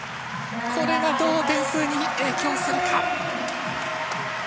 これがどう点数に影響するか。